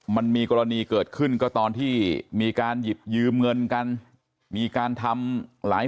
มันมีกรณีเกิดขึ้นก็ตอนที่มีการหยิบยืมเงินกันมีการทำหลาย